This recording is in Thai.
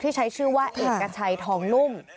ใช้ชื่อว่าเอกชัยทองนุ่ม